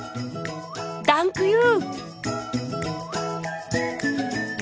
ダンクユー！